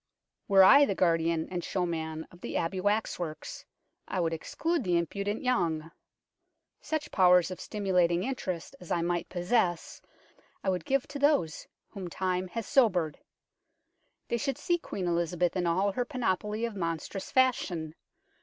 Were I the guardian and showman of the 191 192 UNKNOWN LONDON Abbey waxworks, I would exclude the impudent young. Such powers of stimulating interest as I might possess I would give to those whom time has sobered. They should see Queen Elizabeth in all her panoply of monstrous fashion.